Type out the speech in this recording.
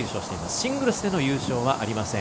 シングルスでの優勝はありません。